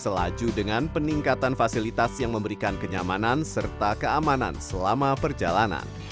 selaju dengan peningkatan fasilitas yang memberikan kenyamanan serta keamanan selama perjalanan